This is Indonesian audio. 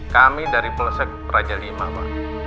kami dari peloseb peraja lima pak